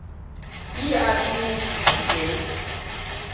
اي آۮميئي ڪيڌون ڪي